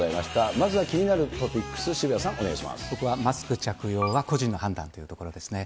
まずは気になるトピックス、僕はマスク着用は個人の判断というところですね。